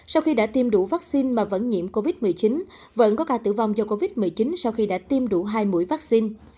sau khi đã tiêm đủ vaccine mà vẫn nhiễm covid một mươi chín vẫn có ca tử vong do covid một mươi chín sau khi đã tiêm đủ hai mũi vaccine